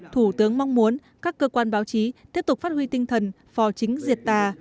thủ tướng mong muốn các cơ quan báo chí tiếp tục phát huy tinh thần phò chính diệt tà